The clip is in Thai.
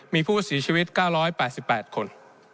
มีผู้เสียชีวิต๙๘๘คน